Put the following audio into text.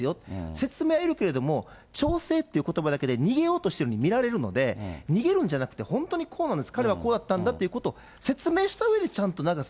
説明はいるけれども、調整っていうことばだけで逃げようとしているように見られるので、逃げるんじゃなくて、本当にこうなんです、彼はこうだったんだということを説明したうえで、ちゃんと流す。